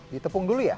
ditepung dulu ya